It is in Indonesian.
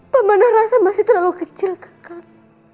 pamanah rasa masih terlalu kecil kakak